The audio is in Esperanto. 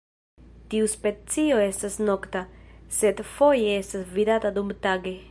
Tiu specio estas nokta, sed foje estas vidata dumtage.